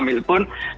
mereka juga akan hilang